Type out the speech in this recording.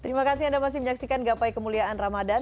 terima kasih anda masih menyaksikan gapai kemuliaan ramadan